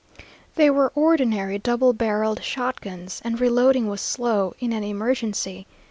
They were ordinary double barreled shotguns, and reloading was slow in an emergency.